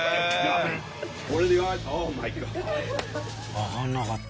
わかんなかった。